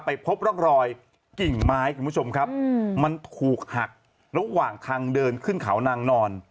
พบร่องรอยกิ่งไม้คุณผู้ชมครับมันถูกหักระหว่างทางเดินขึ้นเขานางนอน